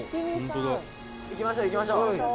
「行きましょう行きましょう」